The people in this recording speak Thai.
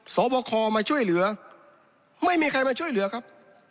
สอบคอมาช่วยเหลือไม่มีใครมาช่วยเหลือครับ